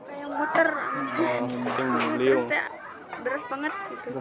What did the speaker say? kayak muter terus kayak deras banget